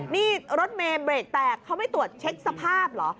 นี่รถเมย์เบรกแตกเขาไม่ตรวจเช็คสภาพเหรอ